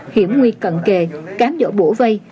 hiểm nguy cận kề cám dỗ bổ vây